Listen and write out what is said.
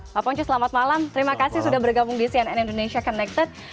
pak ponco selamat malam terima kasih sudah bergabung di cnn indonesia connected